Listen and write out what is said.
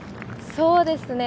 ◆そうですね。